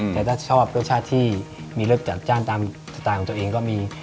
แต่ถ้าชอบรสชาติที่มีรสจัดจ้านตามสไตล์ของตัวเองก็มี